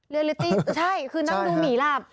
เรียนรู้จริงใช่คือนั่งดูหมี่หลับ